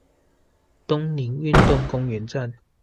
東寧運動公園站